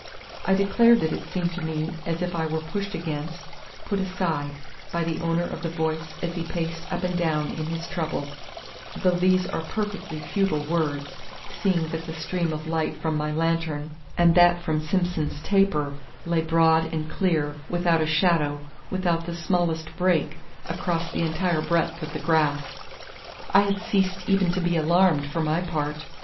I declare that it seemed to me as if I were pushed against, put aside, by the owner of the voice as he paced up and down in his trouble, though these are perfectly futile words, seeing that the stream of light from my lantern, and that from Simson's taper, lay broad and clear, without a shadow, without the smallest break, across the entire breadth of the grass. I had ceased even to be alarmed, for my part.